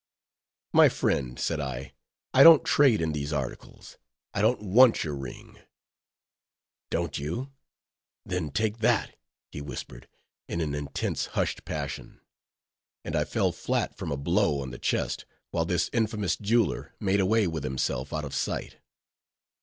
"My friend," said I, "I don't trade in these articles; I don't want your ring." "Don't you? Then take that," he whispered, in an intense hushed passion; and I fell flat from a blow on the chest, while this infamous jeweler made away with himself out of sight.